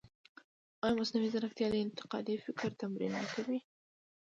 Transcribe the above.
ایا مصنوعي ځیرکتیا د انتقادي فکر تمرین نه کموي؟